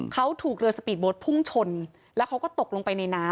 เขาถูกเรือสปีดโบสต์พุ่งชนแล้วเขาก็ตกลงไปในน้ำ